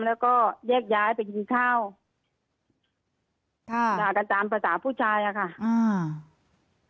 แล้วก็ยักษ์ย้ายไปคิดข้าวค่ะตามภาษาผู้ชายอะค่ะอืม